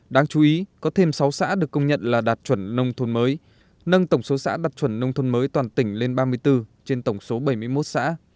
đáng chú ý có thêm sáu xã được công nhận là đạt chuẩn nông thôn mới nâng tổng số xã đạt chuẩn nông thôn mới toàn tỉnh lên ba mươi bốn trên tổng số bảy mươi một xã